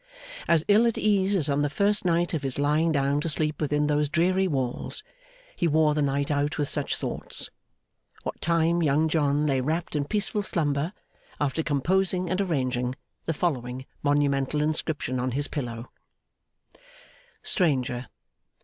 As ill at ease as on the first night of his lying down to sleep within those dreary walls, he wore the night out with such thoughts. What time Young John lay wrapt in peaceful slumber, after composing and arranging the following monumental inscription on his pillow STRANGER!